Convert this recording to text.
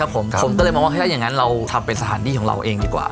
ผมก็เลยมองว่าถ้าอย่างนั้นเราทำเป็นสถานที่ของเราเองดีกว่า